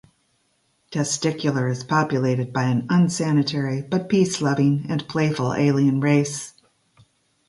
Testicular is populated by an unsanitary but peace-loving and playful alien race.